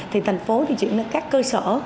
thì thành phố chuyển đến các cơ sở